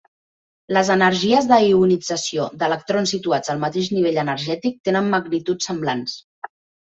Les energies de ionització d'electrons situats al mateix nivell energètic tenen magnituds semblants.